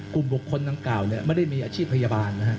กลุ่มบุคคลดังกล่าวไม่ได้มีอาชีพพยาบาลนะฮะ